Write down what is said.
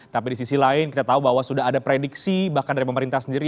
tapi di sisi lain kita tahu bahwa sudah ada prediksi bahkan dari pemerintah sendiri